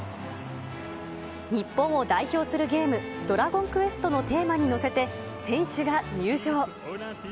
日本を代表するゲーム、ドラゴンクエストのテーマに乗せて、選手が入場。